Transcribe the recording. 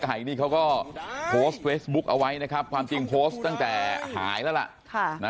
ไก่นี่เขาก็โพสต์เฟซบุ๊กเอาไว้นะครับความจริงโพสต์ตั้งแต่หายแล้วล่ะ